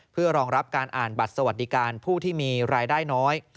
เพื่อรองรับการอ่านบัตรสวัสดิการผู้ที่มีรายได้น้อย